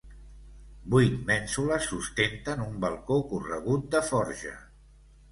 Vuit mènsules sustenten un balcó corregut de forja.